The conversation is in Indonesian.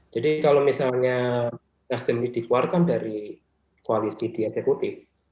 jadi kalau misalnya nasdem ini dikeluarkan dari koalisi di eksekutif